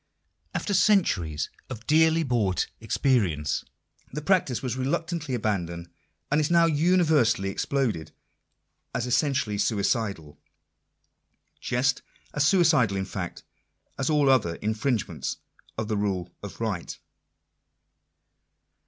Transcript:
After centuries of dearly bought experience, the practice was reluctantly abandoned, and is now universally exploded as essentially suicidal — just as suicidal in fact as all other in fringements of the rule of right.